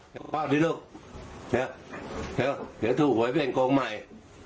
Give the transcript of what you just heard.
หวัดดีลูกเห็นเห็นจะถูกไหวเปลี่ยนโกงใหม่